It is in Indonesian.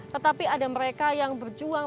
tetapi ada mereka yang berjuang